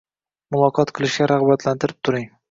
muloqot qilishga rag‘batlantirib turing.